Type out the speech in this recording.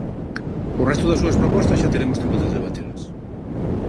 O resto das súas propostas xa teremos tempo de debatelas.